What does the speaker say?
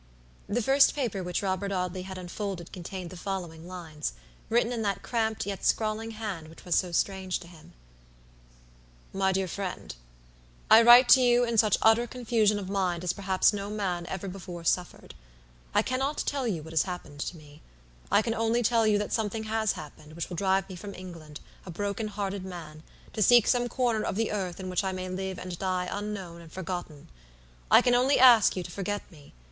The first paper which Robert Audley had unfolded contained the following lines, written in that cramped, yet scrawling hand which was so strange to him: "MY DEAR FRIENDI write to you in such utter confusion of mind as perhaps no man ever before suffered. I cannot tell you what has happened to me, I can only tell you that something has happened which will drive me from England a broken hearted man, to seek some corner of the earth in which I may live and die unknown and forgotten. I can only ask you to forget me.